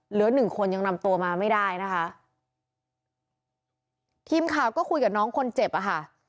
เหลือหนึ่งคนยังนำตัวมาไม่ได้นะคะทีมข่าวก็คุยกับน้องคนเจ็บอ่ะค่ะ